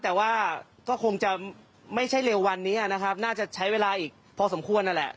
แต่ว่าก็คงจะไม่ใช่เร็ววันนี้นะครับน่าจะใช้เวลาอีกพอสมควรนั่นแหละ